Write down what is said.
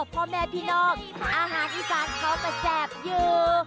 เพราะแม่พี่น้องอาหารที่ฝากเขาก็แซ่บอยู่